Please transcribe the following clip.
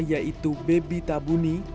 yaitu bebi tabuni